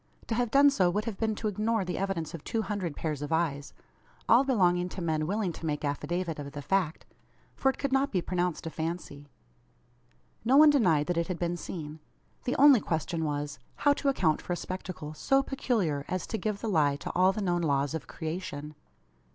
To have done so would have been to ignore the evidence of two hundred pairs of eyes, all belonging to men willing to make affidavit of the fact for it could not be pronounced a fancy. No one denied that it had been seen. The only question was, how to account for a spectacle so peculiar, as to give the lie to all the known laws of creation.